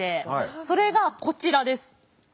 それがこちらです。